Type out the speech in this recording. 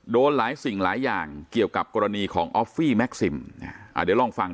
โดนหลายสิ่งหลายอย่างเกี่ยวกับกรณีของออฟฟี่แม็กซิมเดี๋ยวลองฟัง